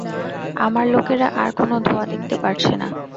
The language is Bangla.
আমার লোকেরা আর কোন ধোঁয়া দেখতে পারছে না।